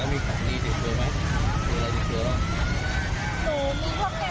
โหมีข้าวแก่สุดของเยอะสุด